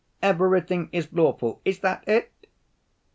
Everything is lawful, is that it?"